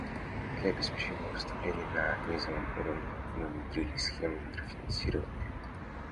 Для обеспечения поступлений на низовом уровне мы внедрили схемы микрофинансирования.